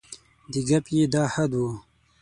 د ګپ یې دا حد و.